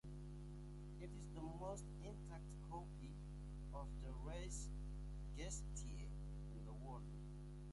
It is the most intact copy of the "Res Gestae" in the world.